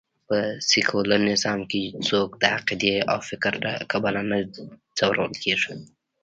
په سکیولر نظام کې څوک د عقېدې او فکر له کبله نه ځورول کېږي